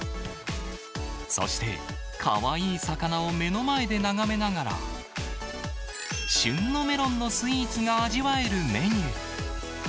そして、かわいい魚を目の前で眺めながら、旬のメロンのスイーツが味わえるメニュー。